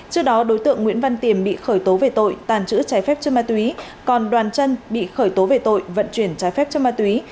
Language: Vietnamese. trước đó đối tượng nguyễn văn tiềm bị khởi tố về tội tàng trữ trái phép chân ma túy còn đoàn chân bị khởi tố về tội vận chuyển trái phép cho ma túy